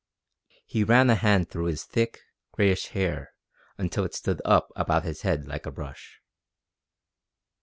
He ran a hand through his thick, grayish hair until it stood up about his head like a brush.